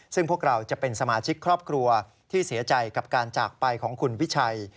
ซึ่งพวกเราจะเป็นสมาชิกครอบครัวที่เสียใจกับการจากไปของคุณวิชัย